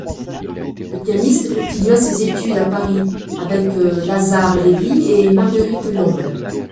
La pianiste continua ses études à Paris avec Lazare-Lévy et Marguerite Long.